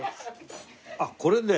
あっこれで？